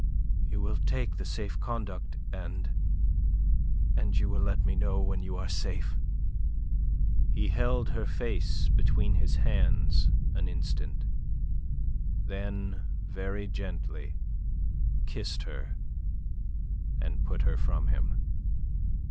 "You will take the safe conduct, and... and you will let me know when you are safe?" He held her face between his hands an instant; then very gently kissed her and put her from him.